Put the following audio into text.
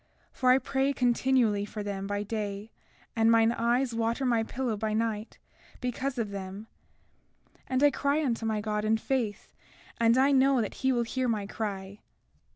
For I pray continually for them by day, and mine eyes water my pillow by night, because of them; and I cry unto my God in faith, and I know that he will hear my cry.